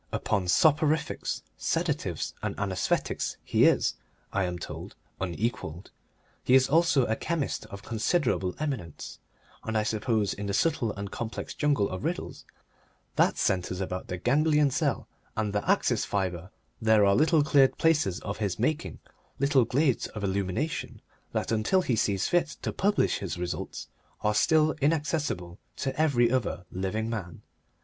Upon soporifics, sedatives, and anaesthetics he is, I am told, unequalled. He is also a chemist of considerable eminence, and I suppose in the subtle and complex jungle of riddles that centres about the ganglion cell and the axis fibre there are little cleared places of his making, little glades of illumination, that, until he sees fit to publish his results, are still inaccessible to every other living man.